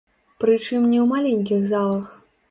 Прычым не ў маленькіх залах.